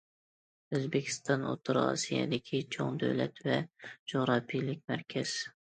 ئۆزبېكىستان ئوتتۇرا ئاسىيادىكى چوڭ دۆلەت ۋە جۇغراپىيەلىك مەركەز.